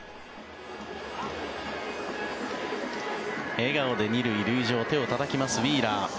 笑顔で２塁、塁上手をたたきますウィーラー。